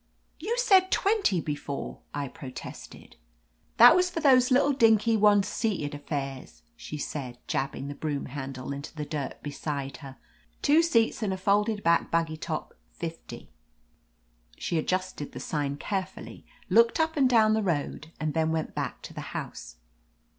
Tou said twenty before," I protested. That was for those little dinky, one seated affairs," she said, jabbing the broom handle into the dirt beside the road. "Two seats, 238 OF LETITIA CARBERRY forty dollars; two seats and a folded back buggy top, fifty." She adjusted the sign care fully, looked up and down the road, and then went back to the house.